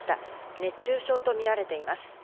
熱中症とみられています。